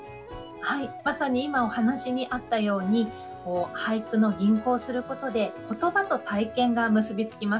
まさに今お話にあったように俳句を吟行することで言葉と体験が結びつきます。